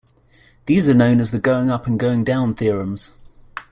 These are known as the going-up and going-down theorems.